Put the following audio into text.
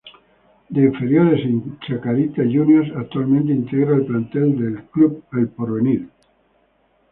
De inferiores en Chacarita Juniors, actualmente integra el plantel de Club El Porvenir.